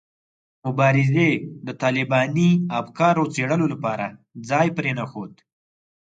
مبارزې د طالباني افکارو څېړلو لپاره ځای پرې نه ښود.